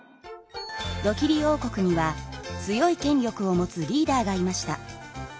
ドキリ王国には強い権力を持つリーダーがいました。